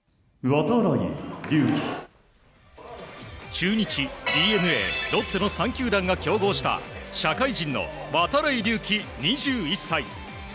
中日、ＤｅＮＡロッテの３球団が競合した社会人の度会隆輝、２１歳。